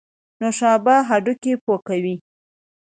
نوشابه هډوکي پوکوي